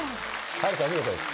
波瑠さんお見事です。